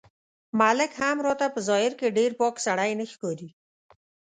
ملک هم راته په ظاهر کې ډېر پاک سړی نه ښکاري.